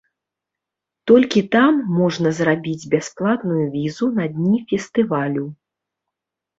Толькі там можна зрабіць бясплатную візу на дні фестывалю.